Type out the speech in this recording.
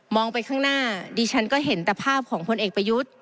ไปข้างหน้าดิฉันก็เห็นแต่ภาพของพลเอกประยุทธ์